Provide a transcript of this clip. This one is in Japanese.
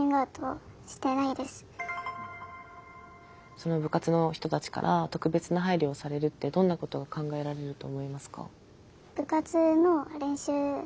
その部活の人たちから特別な配慮をされるってどんなことが考えられると思いますか？